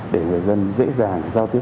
để người dân dễ dàng giao tiếp